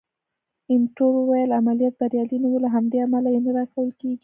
ایټور وویل: عملیات بریالي نه وو، له همدې امله یې نه راکول کېږي.